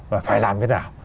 và phải làm thế nào